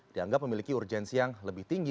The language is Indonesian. dianggap memiliki urgensi yang lebih tinggi